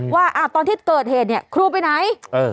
ว่าตอนที่เกิดเหตุเนี่ยครูไปไหน